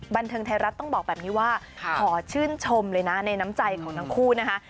บันเทิงไทยรัฐต้องบอกแบบนี้ว่าขอชื่นชมเลยนะในน้ำใจของทั้งคู่นะคะ